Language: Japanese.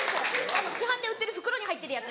あの市販で売ってる袋に入ってるやつ。